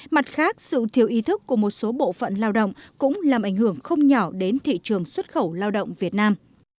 mặt khác sự thiếu ý thức của một số bộ phận lao động cũng làm ảnh hưởng không nhỏ đến thị trường xuất khẩu lao động việt nam